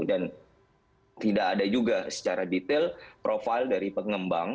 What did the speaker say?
dan tidak ada juga secara detail profil dari pengembang